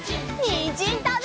にんじんたべるよ！